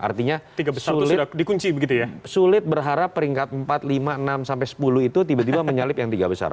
artinya sulit berharap peringkat empat lima enam sepuluh itu tiba tiba menyalip yang tiga besar